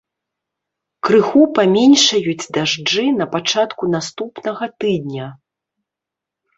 Крыху паменшаюць дажджы на пачатку наступнага тыдня.